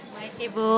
terima kasih bu